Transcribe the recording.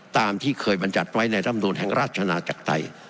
ตามที่เคยบรรยัติไว้ในรำนูลแห่งราชนาจักรไทย